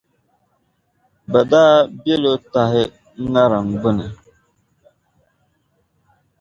bɛ daa biɛli o tahi ŋariŋ gbini.